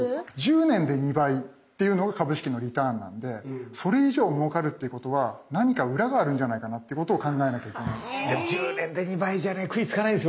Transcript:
１０年で２倍っていうのが株式のリターンなんでそれ以上もうかるっていうことは何か裏があるんじゃないかなっていうことを考えなきゃいけない。